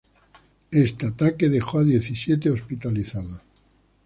Este ataque dejó a diecisiete hospitalizados.